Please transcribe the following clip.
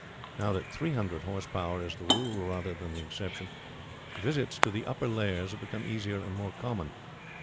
Now that three hundred horse power is the rule rather than the exception, visits to the upper layers have become easier and more common.